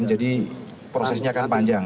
jadi prosesnya akan panjang